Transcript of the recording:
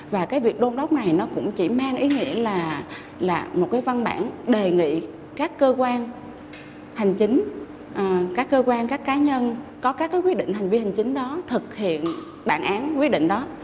và cái việc đôn đốc này nó cũng chỉ mang ý nghĩa là một cái văn bản đề nghị các cơ quan hành chính các cơ quan các cá nhân có các quyết định hành vi hành chính đó thực hiện bản án quyết định đó